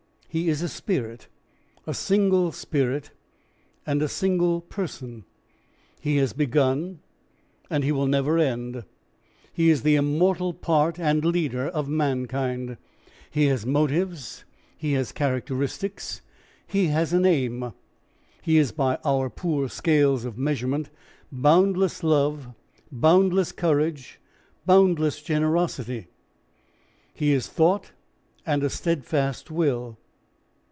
He is a spirit, a single spirit and a single person; he has begun and he will never end. He is the immortal part and leader of mankind. He has motives, he has characteristics, he has an aim. He is by our poor scales of measurement boundless love, boundless courage, boundless generosity. He is thought and a steadfast will.